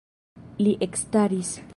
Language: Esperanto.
Li ekstaris.